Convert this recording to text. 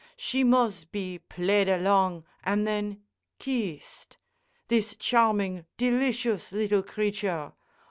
She mus' be played along an' then keessed, this charming, delicious little creature.